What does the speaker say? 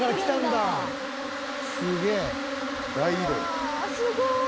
うわすごい！